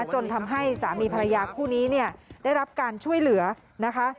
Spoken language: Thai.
จนทำให้สามีภรรยาคู่นี้เนี่ยได้รับการช่วยเหลือนะคะ